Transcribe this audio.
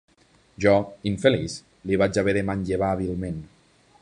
Jo, infeliç, li vaig haver de manllevar hàbilment.